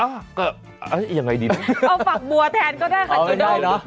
อ้าวก็เอาไงดีนะ